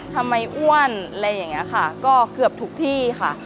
อ้วนอะไรอย่างนี้ค่ะก็เกือบทุกที่ค่ะ